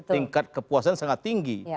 tingkat kepuasan sangat tinggi